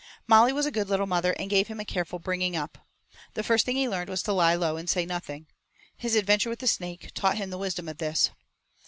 Molly was a good little mother and gave him a careful bringing up. The first thing he learned was to lie low and say nothing. His adventure with the snake taught him the wisdom of this.